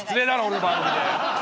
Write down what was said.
俺の番組で。